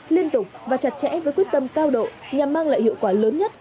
liên tục và chặt chẽ với quyết tâm cao độ nhằm mang lại hiệu quả lớn nhất